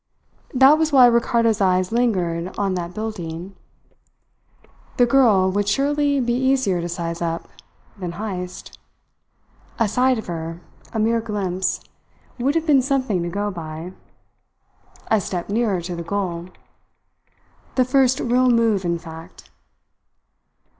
That was why Ricardo's eyes lingered on that building. The girl would surely be easier to "size up" than Heyst. A sight of her, a mere glimpse, would have been something to go by, a step nearer to the goal the first real move, in fact.